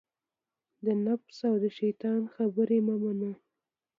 د نفس او دشیطان خبرې مه منه